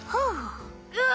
うわ！